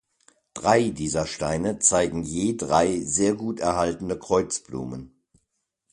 Drei dieser Steine zeigen je drei sehr gut erhaltene Kreuzblumen.